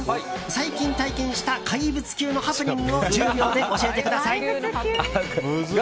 最近体験した怪物級のハプニングを１０秒で教えてください！